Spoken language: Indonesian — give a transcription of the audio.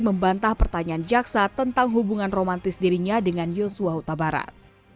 membantah pertanyaan jaksa tentang hubungan romantis dirinya dengan yosua huta barat